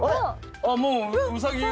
あっもううさぎが。